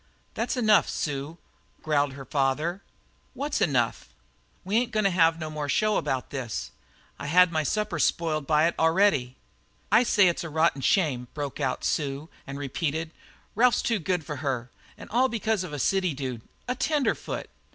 "That's enough, Sue," growled the father. "What's enough?" "We ain't goin' to have no more show about this. I've had my supper spoiled by it already." "I say it's a rotten shame," broke out Sue, and she repeated, "Ralph's too good for her. All because of a city dude a tenderfoot!"